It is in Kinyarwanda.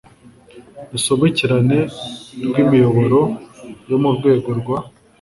rusobekerane rw imiyoboro yo mu rwego rwa